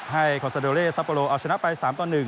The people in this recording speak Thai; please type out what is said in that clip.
คอนซาโดเล่ซัปโปโลเอาชนะไป๓ต่อ๑